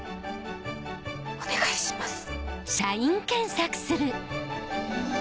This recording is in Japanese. お願いします！